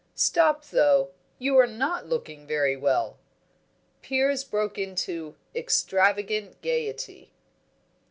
stop though; you are not looking very well " Piers broke into extravagant gaiety.